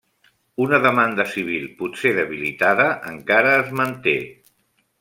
Una demanda civil, potser debilitada, encara es manté.